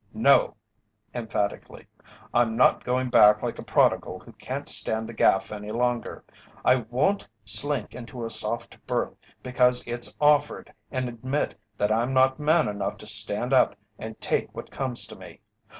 "No!" emphatically, "I'm not going back like a prodigal who can't stand the gaff any longer! I won't slink into a soft berth because it's offered, and admit that I'm not man enough to stand up and take what comes to me!